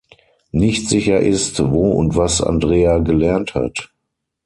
Nicht sicher ist, wo und was Andrea gelernt hat.